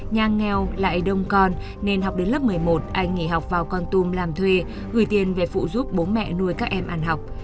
nhà nghèo lại đông con nên học đến lớp một mươi một anh nghỉ học vào con tum làm thuê gửi tiền về phụ giúp bố mẹ nuôi các em ăn học